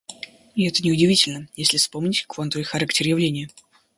и это неудивительно, если вспомнить квантовый характер явления.